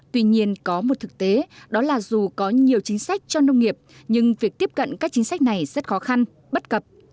tuy nhiên có một thực tế đó là dù có nhiều chính sách cho nông nghiệp nhưng việc tiếp cận các chính sách này rất khó khăn bất cập